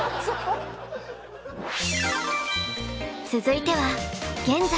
続いては「現在」。